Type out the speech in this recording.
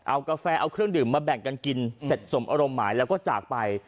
เอากาแฟเอาเครื่องดื่มมาแบ่งกันกินเสร็จสมอารมณ์หมายแล้วก็จากไป